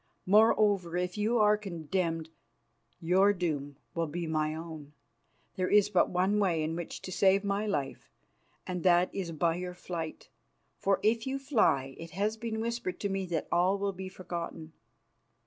Moreover, if you are condemned, your doom will be my own. There is but one way in which to save my life, and that is by your flight, for if you fly it has been whispered to me that all will be forgotten."